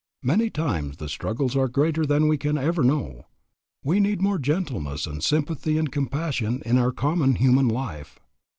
Many times the struggles are greater than we can ever know. We need more gentleness and sympathy and compassion in our common human life.